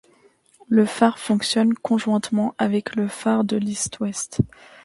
Le phare fonctionne conjointement avec le phare de List Ouest.